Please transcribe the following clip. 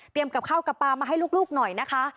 กับข้าวกับปลามาให้ลูกหน่อยนะคะ